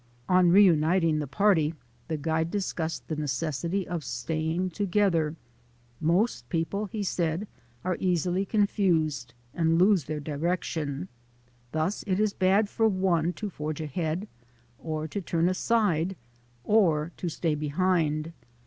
On reuniting the party the guide discussed the necessity of all staying together. "Most people, ,, he said, "are easily confused and lose their direc tion. Thus it is bad for one to forge ahead, or to turn aside, or to stay behind.